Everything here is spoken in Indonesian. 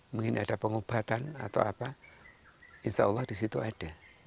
mengingin ada pengobatan atau apa insya allah di situ ada harapan kami cuma itu